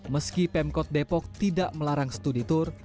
meski pemkot depok tidak melarang studi tur